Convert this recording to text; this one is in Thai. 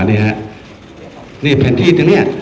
นี่แผ่นที่นี่